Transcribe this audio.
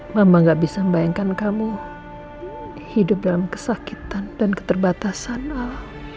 mama gak bisa membayangkan kamu hidup dalam kesakitan dan keterbatasan allah